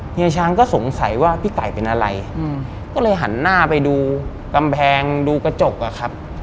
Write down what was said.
เฮียช้างก็สงสัยว่าพี่ไก่เป็นอะไรก็เลยหันหน้าไปดูกำแพงดูกระจกอะครับ